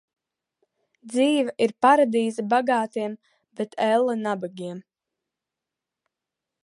Dzīve ir paradīze bagātiem, bet elle nabagiem.